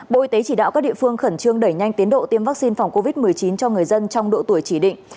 bộ y tế chỉ đạo các địa phương khẩn trương đẩy nhanh tiến độ tiêm vaccine phòng covid một mươi chín cho người dân trong độ tuổi chỉ định